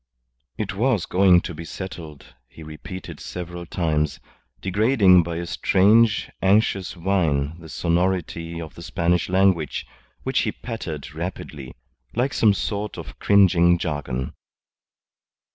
It was going to be settled, he repeated several times, degrading by a strange, anxious whine the sonority of the Spanish language, which he pattered rapidly, like some sort of cringing jargon.